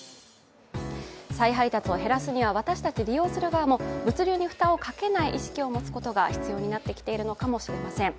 再配達を減らすには私たち利用する側も、物流に負担をかけない意識を持つことが必要になってきているのかもしれません。